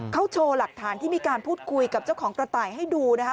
เขาโชว์หลักฐานที่มีการพูดคุยกับเจ้าของกระต่ายให้ดูนะคะ